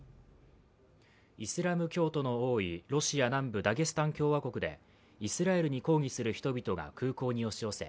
イスラム教徒の多いロシア南部ダゲスタン共和国でイスラエルに抗議する人々が空港に押し寄せ